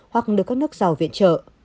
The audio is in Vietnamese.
hoặc được các nước giàu viện trợ